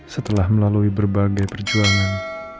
setelah melalui berbagai perjuangan